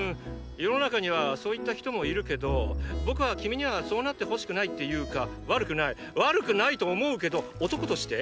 世の中にはそういった人もいるけど僕は君にはそうなってほしくないっていうか悪くない悪くないと思うけど男として？